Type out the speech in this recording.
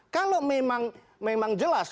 kalau memang jelas